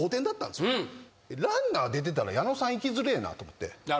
ランナー出てたら矢野さんいきづれえなと思って。